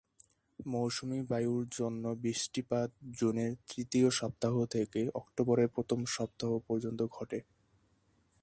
মৌসুমি বায়ুর জন্য বৃষ্টিপাত জুনের তৃতীয় সপ্তাহ থেকে অক্টোবরের প্রথম সপ্তাহ পর্যন্ত ঘটে।